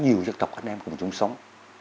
nhiều dân tộc anh em cùng chung sống